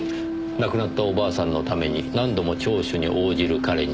亡くなったお婆さんのために何度も聴取に応じる彼に。